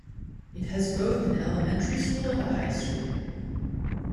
It has both an elementary school and a high school.